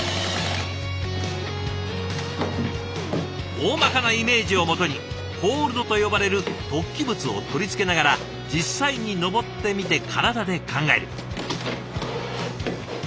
おおまかなイメージを基にホールドと呼ばれる突起物を取り付けながら実際に登ってみて体で考える。